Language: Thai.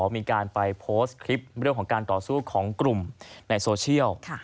มีการไปโพสต์คลิปเรื่องของการต่อสู้ของกลุ่มในโซเชียล